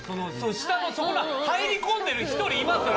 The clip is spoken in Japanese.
下の入り込んでる１人いますよね